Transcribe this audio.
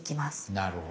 なるほど。